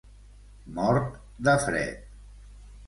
Mort de fred.